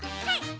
はい！